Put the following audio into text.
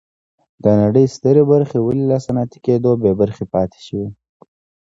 د نړۍ سترې برخې ولې له صنعتي کېدو بې برخې پاتې شوې.